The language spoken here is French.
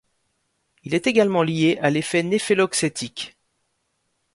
Il est également lié à l'effet néphélauxétique.